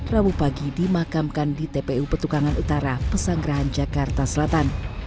rabu pagi dimakamkan di tpu petukangan utara pesanggerahan jakarta selatan